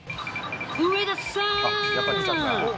上田さん！